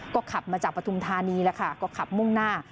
ก็ขับมาจากปฐุมธานีแล้วค่ะก็ขับมุ่งหน้า